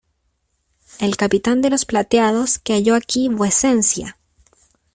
el capitán de los plateados, que halló aquí vuecencia.